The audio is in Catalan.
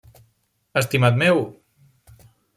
-Estimat meu!